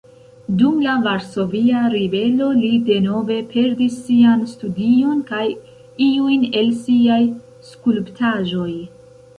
Dum la Varsovia Ribelo li denove perdis sian studion kaj iujn el siaj skulptaĵoj.